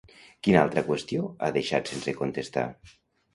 Quina altra qüestió ha deixat sense contestar?